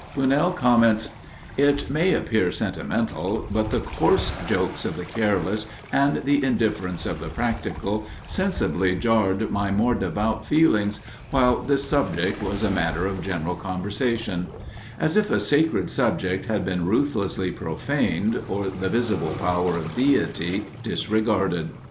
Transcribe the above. Bunnell comments: It may appear sentimental, but the coarse jokes of the careless, and the indifference of the practical, sensibly jarred my more devout feelings, while this subject was a matter of general conversation; as if a sacred subject had been ruthlessly profaned, or the visible power of Deity disregarded.